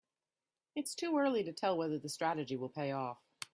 Its too early to tell whether the strategy will pay off.